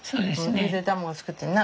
ゆで卵作ってな。